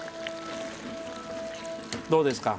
どうですか。